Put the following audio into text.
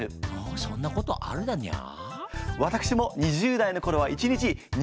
そんなことあるだにゃー？